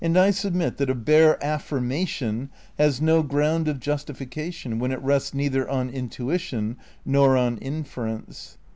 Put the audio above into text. I submit that a bare "affirmation" has no ground of justification when it rests neither on intuition nor on inference.